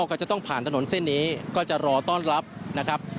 ก็จะต้องผ่านถนนเส้นนี้ก็จะรอต้อนรับนะครับ